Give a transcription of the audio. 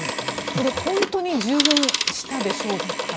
これ、本当に従軍したでしょうかね。